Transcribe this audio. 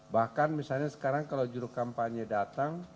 bahkan misalnya sekarang kalau juru kampanye datang